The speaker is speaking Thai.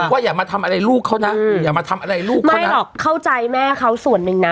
ว่าอย่ามาทำอะไรลูกเขานะไม่หรอกเข้าใจแม่เขาส่วนหนึ่งนะ